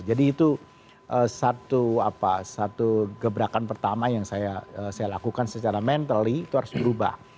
jadi itu satu gebrakan pertama yang saya lakukan secara mental itu harus berubah